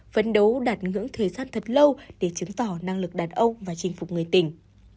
phấn đấu đạt ngưỡng thời gian thật lâu để chứng tỏ năng lực đàn ông và chinh phục người tình